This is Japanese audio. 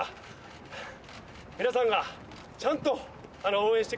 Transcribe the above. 皆さんがちゃんと。